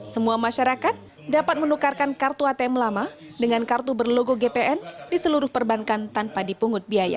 semua masyarakat dapat menukarkan kartu atm lama dengan kartu berlogo gpn di seluruh perbankan tanpa dipungut biaya